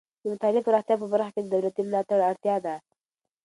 د مطالعې د پراختیا په برخه کې د دولتي ملاتړ اړتیا ده.